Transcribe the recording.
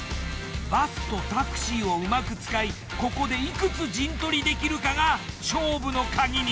バスとタクシーをうまく使いここでいくつ陣取りできるかが勝負のカギに。